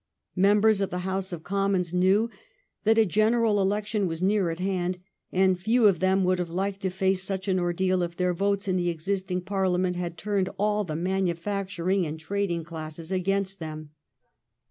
Members of the House of Commons knew that a general election was near at hand, and few of them would have liked to face such an ordeal if their votes in the existing Parliament had turned all the manufacturing and trading classes against them.